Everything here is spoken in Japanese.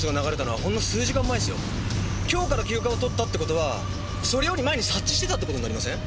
今日から休暇を取ったって事はそれより前に察知してたって事になりません？